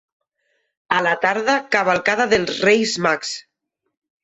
A la tarda, cavalcada dels Reis Mags.